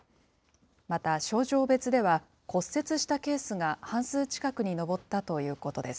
また症状別では、骨折したケースが半数近くに上ったということです。